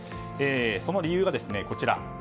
その理由がこちら。